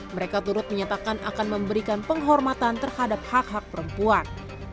mereka turut menyatakan akan memberikan penghormatan terhadap hak hak perempuan